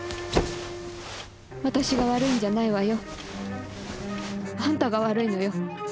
私が悪いんじゃないわよ。あんたが悪いのよ。